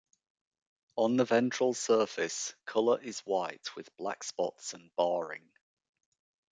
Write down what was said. On the ventral surface, colour is white with black spots and barring.